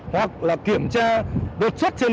hoặc là kiểm tra đột xuất trên đường